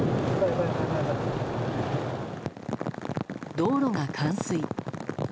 道路が冠水。